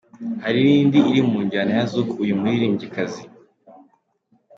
Hari nindi iri mu njyana ya zouk uyu muririmbyikazi.